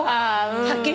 はっきりと。